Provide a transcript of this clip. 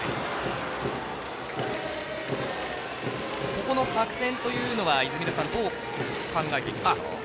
ここの作戦というのは泉田さん、どう考えていきますか。